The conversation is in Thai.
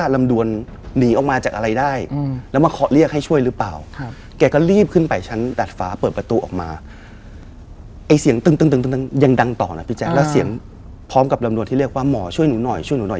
แล้วเสียงพร้อมกับลำดวนที่เรียกเหมาะช่วยหนูหน่อย